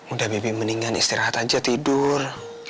udah mimpi mendingan istirahat aja tidur